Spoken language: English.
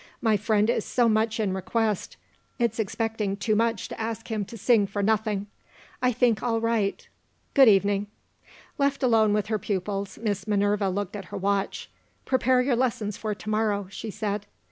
My friend is so much in request it's expecting too much to ask him to sing for nothing. I think I'll write. Good evening!" Left alone with her pupils, Miss Minerva looked at her watch. "Prepare your lessons for to morrow," she said.